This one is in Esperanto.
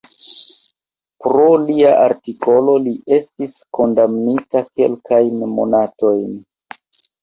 Pro lia artikolo li estis kondamnita kelkajn monatojn.